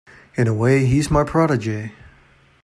In a way he is my protege.